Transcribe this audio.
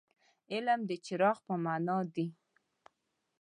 علم د څراغ په معنا دي.